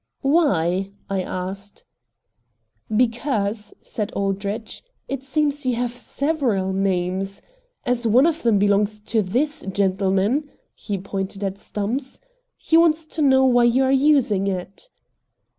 "Why?" I asked. "Because," said Aldrich, "it seems you have SEVERAL names. As one of them belongs to THIS gentleman" he pointed at Stumps "he wants to know why you are using it."